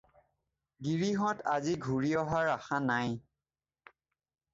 গিৰিহঁত আজি ঘূৰি অহাৰ আশা নাই।